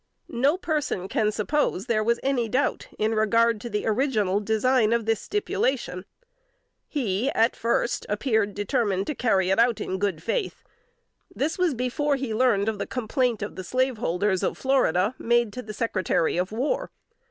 No person can suppose there was any doubt in regard to the original design of this stipulation. He at first appears determined to carry it out in good faith; this was before he learned the complaint of the slaveholders of Florida, made to the Secretary of War.